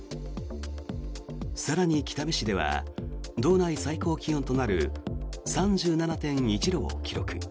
更に北見市では道内最高気温となる３７．１度を記録。